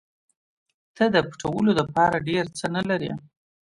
ته د پټولو دپاره ډېر څه نه لرې.